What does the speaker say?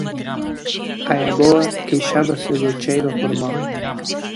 A avoa queixábase do cheiro a formol.